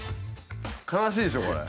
悲しいでしょこれ。